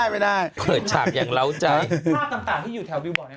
ไม่ได้เปิดฉากอย่างล้อุจักร